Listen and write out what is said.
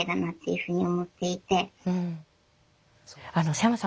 瀬山さん